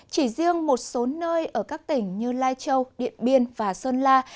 chỉ riêng một số nơi ở các tỉnh như lai châu điện biên và sơn la